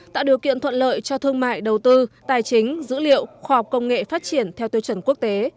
tạo điều kiện thuận lợi cho thương mại đầu tư tài chính dữ liệu khoa học công nghệ phát triển theo tiêu chuẩn quốc tế